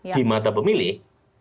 di mata pemilih